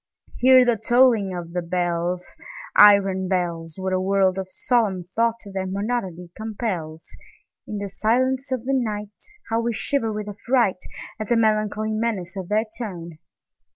Hear the tolling of the bells, Iron bells! What a world of solemn thought their monody compels! In the silence of the nightHow we shiver with affrightAt the melancholy menace of their tone!